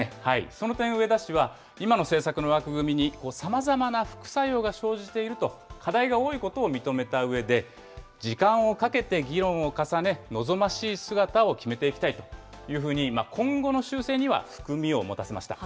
その点、植田氏は今の政策の枠組みに、さまざまな副作用が生じていると、課題が多いことを認めたうえで、時間をかけて議論を重ね、望ましい姿を決めていきたいというふうに、今後の修正には含みを持たせました。